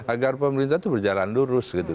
agar pemerintah itu berjalan lurus gitu